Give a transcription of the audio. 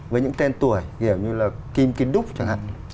với những tên tuổi kiểu như là kim ki duk chẳng hạn